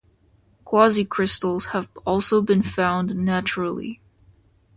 Quasicrystals have also been found naturally.